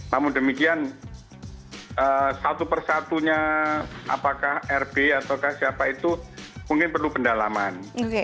namun demikian satu persatunya apakah rb atau siapa itu mungkin perlu pendalaman